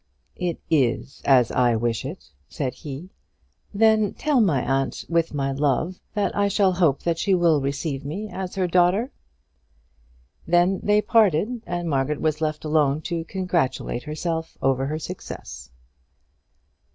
"It is as I wish it," said he. "Then tell my aunt, with my love, that I shall hope that she will receive me as her daughter." Then they parted, and Margaret was left alone to congratulate herself over her success.